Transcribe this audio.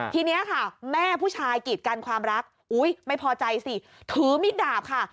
ทีนี้ค่ะแม่ผู้ชายกีดกันความรักอุ๊ยไม่พอใจสิถือมิดดาบค่ะ